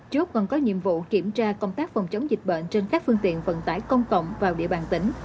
chốt còn có nhiệm vụ kiểm tra công tác phòng chống dịch bệnh trên các phương tiện vận tải công cộng vào địa bàn tỉnh